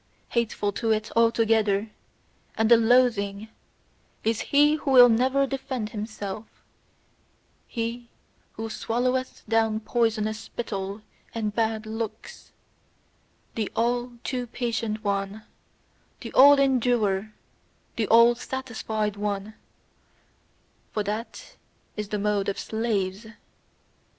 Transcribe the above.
Hateful to it altogether, and a loathing, is he who will never defend himself, he who swalloweth down poisonous spittle and bad looks, the all too patient one, the all endurer, the all satisfied one: for that is the mode of slaves.